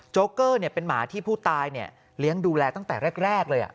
เกอร์เป็นหมาที่ผู้ตายเลี้ยงดูแลตั้งแต่แรกเลย